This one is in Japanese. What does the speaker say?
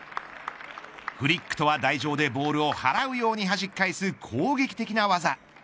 フリックとは台上でボールを払うように弾き返す攻撃的な技。